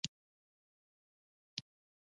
آزاد تجارت مهم دی ځکه چې لګښت کموي.